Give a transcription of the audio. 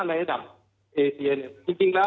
ถ้าในระดับเอเซียเนี่ย